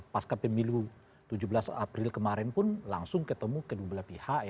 pas kepemilu tujuh belas april kemarin pun langsung ketemu kedua belah pihak